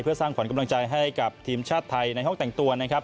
เพื่อสร้างขออนุกับกำลังใจให้กับทีมชาติไทยในห้องแต่งตัว